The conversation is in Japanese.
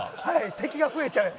敵が増えちゃうやつ。